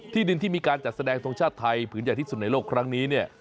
ดินที่มีการจัดแสดงทรงชาติไทยผืนใหญ่ที่สุดในโลกครั้งนี้เนี่ย